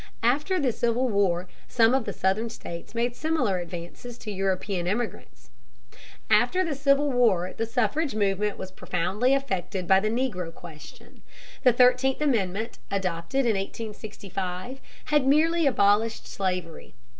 After the Civil War some of the southern states made similar advances to European immigrants. After the Civil War the suffrage movement was profoundly affected by the Negro question. The Thirteenth Amendment, adopted in 1865, had merely abolished slavery.